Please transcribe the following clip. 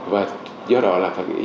và do đó là